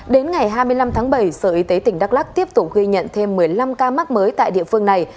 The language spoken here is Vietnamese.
đến ngày hai mươi năm tháng bảy sở y tế tỉnh đắk lắc tiếp tục ghi nhận thêm một mươi năm ca mắc mới tại địa phương này